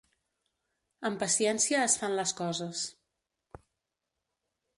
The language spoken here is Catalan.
Amb paciència es fan les coses.